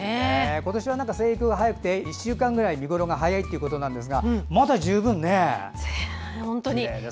今年は生育が早くて１週間くらい見頃が早いということですがまだ十分きれいですね。